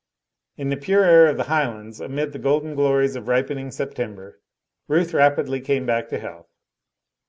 In the pure air of the highlands, amid the golden glories of ripening September, Ruth rapidly came back to health.